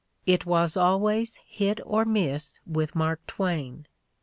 It was always hit or miss with Mark Twain.